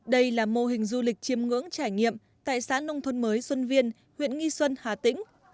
đây là mô hình du lịch chiêm ngưỡng trải nghiệm tại xã nông thôn mới xuân viên huyện nghi xuân hà tĩnh